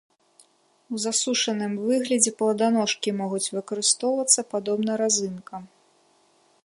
У засушаным выглядзе пладаножкі могуць выкарыстоўвацца падобна разынкам.